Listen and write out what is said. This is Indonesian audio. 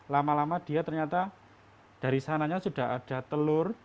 lama lama dia ternyata dari sananya sudah ada telur